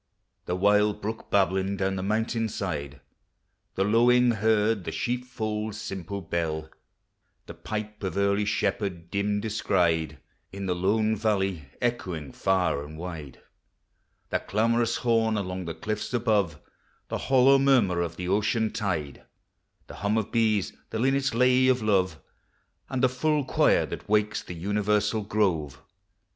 The wild brook babbling down the mountain side; The lowing herd; the sheepfold's simple bell; The pipe of early shepherd dim descried In the lone valley ; echoing far and wide The clamorous Morn along the cliffs above; The hollow murmur of the ocean tide; The hum of bees, the linnet's lay of love, And the full choir that wakes the universal grove.